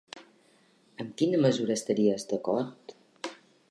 En quina mesura estaries d"acord?